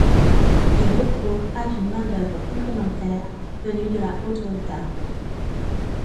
Ils recourent à d'une main-d'œuvre complémentaire venue de la Haute-Volta.